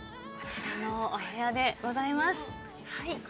こちらのお部屋でございます。